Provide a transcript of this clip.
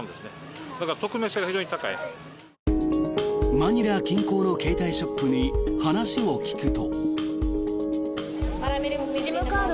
マニラ近郊の携帯ショップに話を聞くと。